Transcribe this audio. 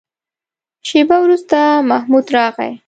شېبه وروسته محمود راغی.